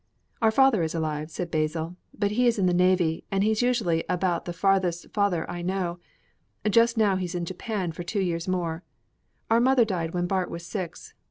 "Our father is alive," said Basil, "but he is in the navy, and he's usually about the farthest father I know just now he's in Japan for two years more. Our mother died when Bart was six.